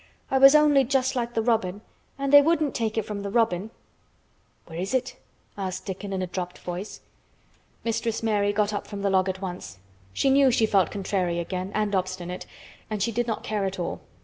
I was only just like the robin, and they wouldn't take it from the robin." "Where is it?" asked Dickon in a dropped voice. Mistress Mary got up from the log at once. She knew she felt contrary again, and obstinate, and she did not care at all.